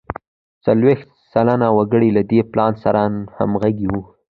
څلوېښت سلنه وګړي له دې پلان سره همغږي وو.